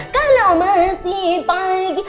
kalau masih pagi